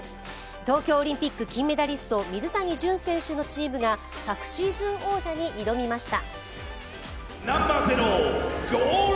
東京オリンピック金メダリスト、水谷隼選手のチームが昨シーズン王者に挑みました。